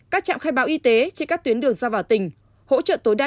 các trạm khai báo y tế trên các tuyến đường ra vào tỉnh hỗ trợ tối đa